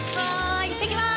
行ってきます！